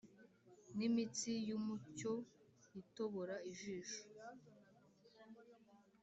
n'imitsi y'umucyo itobora ijisho.